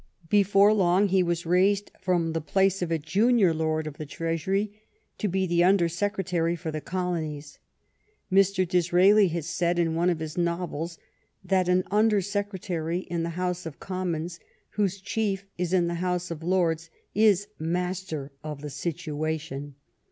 Before long he was raised from the place of a Junior Lord of the Treasury to be the Under Secretary for the Colonies. Mr. Disraeli has said in one of his novels that an Under Secretary in the House of Commons, whose chief is in the House of Lords, is master of the situation.